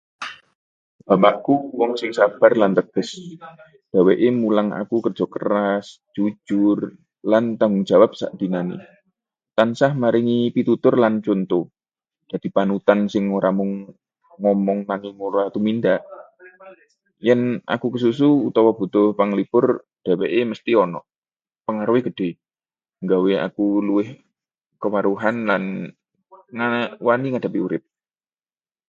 Bapakku wong sing sabar lan tegas. Dheweke mulang aku kerja keras, jujur, lan tanggung jawab sak dinane. Tansah maringi pitutur lan conto, dadi panutan sing ora mung ngomong nanging uga tumindak. Yen aku kesusu utawa butuh panglipur, dhèwèké mesthi ana. Pengaruhé gedhé, nggawe aku luwih kewruhan lan wani ngadhepi urip.